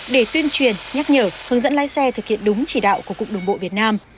để tuyên truyền nhắc nhở hướng dẫn lái xe thực hiện đúng chỉ đạo của cục đường bộ việt nam